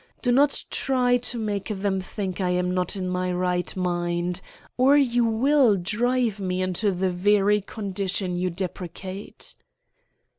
Do not try to make them think I am not in my right mind, or you will drive me into the very condition you deprecate."